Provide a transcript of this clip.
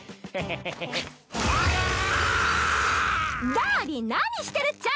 ダーリン何してるっちゃ！